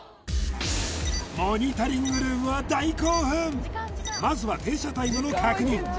モニタリングルームは大興奮まずは停車タイムの確認